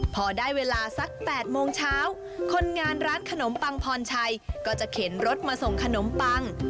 พอได้เวลาสัก๘โมงเช้าคนงานร้านขนมปังพรชัยก็จะเข็นรถมาส่งขนมปัง